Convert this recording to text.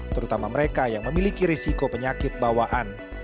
terutama mereka yang memiliki risiko penyakit bawaan